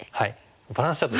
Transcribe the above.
バランスチャート。